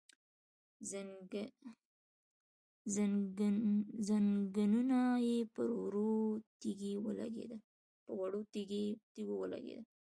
ځنګنونه يې پر وړو تيږو ولګېدل،